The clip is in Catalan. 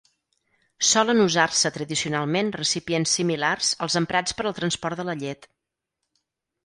Solen usar-se tradicionalment recipients similars als emprats per al transport de la llet.